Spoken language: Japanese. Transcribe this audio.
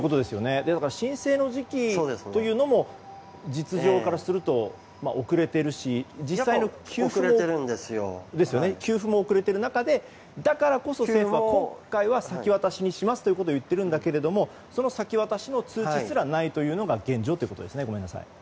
申請の時期というのも実情からすると遅れているし、実際の給付も遅れている中でだからこそ政府は今回は先渡しにしますと言っているんだけれどもその先渡しの通知すらないというのが現状と。